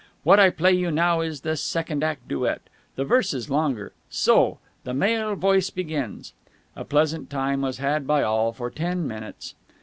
What I play you now is the second act duet. The verse is longer. So! The male voice begins." A pleasant time was had by all for ten minutes.